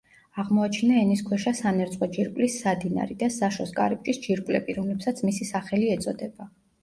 აღმოაჩინა ენისქვეშა სანერწყვე ჯირკვლის სადინარი და საშოს კარიბჭის ჯირკვლები, რომლებსაც მისი სახელი ეწოდება.